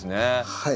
はい。